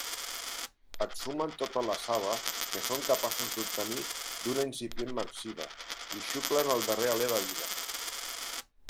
Exhumen tota la saba que són capaços d'obtenir d'una incipient marcida i xuclen el darrer alé de vida.